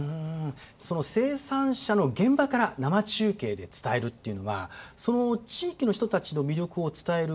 その生産者の現場から生中継で伝えるっていうのはその地域の人たちの魅力を伝えることにこれは直結するものなんですか？